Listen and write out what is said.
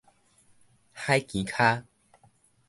海墘跤